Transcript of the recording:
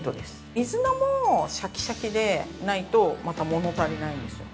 水菜もシャキシャキでないと、また物足りないんですよ。